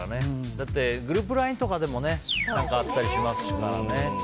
だってグループＬＩＮＥとかでもあったりしますからね。